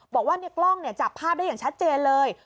บอกว่าในกล้องจับภาพได้อย่างชัดเจนเลย